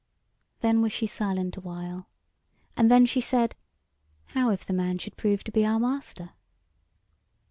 Then was she silent a while; and then she said: "How if the man should prove to be our master?"